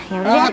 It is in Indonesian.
ya udah deh